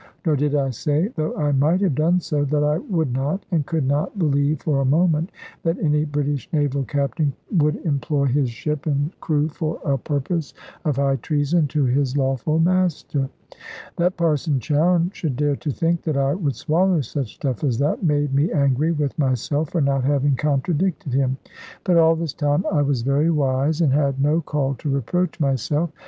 Nor did I say, though I might have done so, that I would not and could not believe for a moment that any British naval captain would employ his ship and crew for a purpose of high treason to his lawful master. That Parson Chowne should dare to think that I would swallow such stuff as that, made me angry with myself for not having contradicted him. But all this time I was very wise, and had no call to reproach myself.